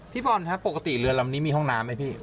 พี่บอลครับปกติเรือลำนี้มีห้องน้ำไหมพี่